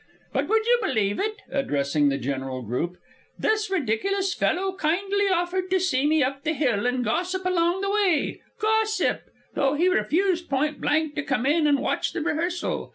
"But would you believe it!" (addressing the general group) "this ridiculous fellow kindly offered to see me up the hill and gossip along the way gossip! though he refused point blank to come in and watch the rehearsal.